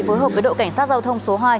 phối hợp với đội cảnh sát giao thông số hai